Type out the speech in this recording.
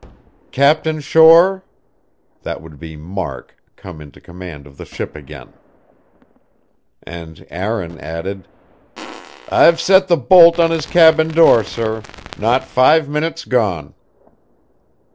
"Captain Shore?" That would be Mark, come into command of the ship again. And Aaron added: "I've set the bolt on his cabin door, sir. Not five minutes gone."